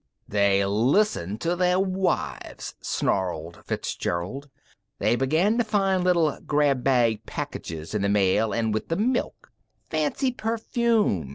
"They listened to their wives!" snarled Fitzgerald. "They begun to find little grabbag packages in the mail an' with the milk. Fancy perfume.